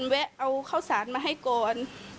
แวะเอาข้าวสารมาให้ก่อน